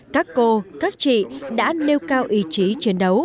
các cô các chị đã nêu cao ý chí chiến đấu